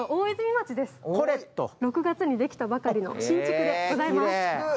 ６月にできたばかりの新築でございます。